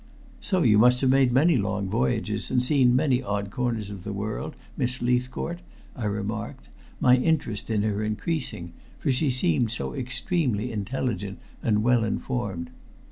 "So you must have made many long voyages, and seen many odd corners of the world, Miss Leithcourt?" I remarked, my interest in her increasing, for she seemed so extremely intelligent and well informed.